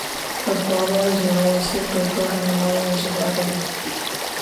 Her father is a real estate broker and her mother is a writer.